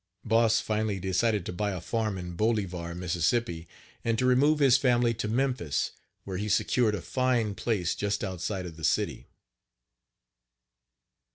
Boss finally decided to buy a farm in Bolivar, Miss., and to remove his family to Memphis, where he secured a fine place, just outside of the city.